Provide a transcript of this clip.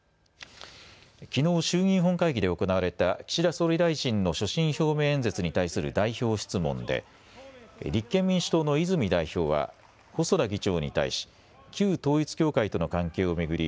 きのう衆議院本会議で行われた岸田総理大臣の所信表明演説に対する代表質問で立憲民主党の泉代表は細田議長に対し旧統一教会との関係を巡り